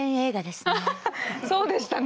そうでしたね。